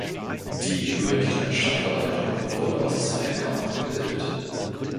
Die Münchner Stadtverwaltung wurde aus zwei Kammern gebildet.